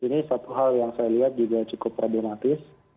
ini satu hal yang saya lihat juga cukup problematis